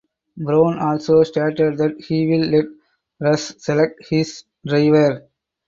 Brown also stated that he will let Roush select his driver.